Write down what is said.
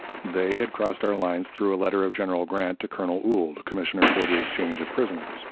They had crossed our lines through a letter of General Grant to Colonel Ould, commissioner for the exchange of prisoners.